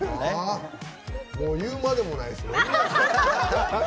もう言うまでもないですね。